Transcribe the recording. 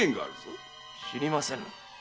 知りませぬ。